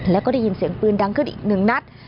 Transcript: แล้วก็ได้ยินเสียงปืนดังขึ้นอีกหนึ่งนัด